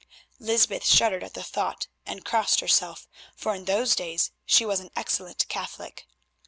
Lysbeth shuddered at the thought and crossed herself, for in those days she was an excellent Catholic.